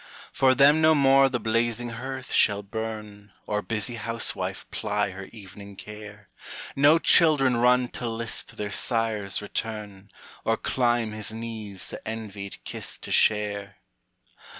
For them no more the blazing hearth shall burn, Or busy housewife ply her evening care; No children run to lisp their sire's return, Or climb his knees the envied kiss to share.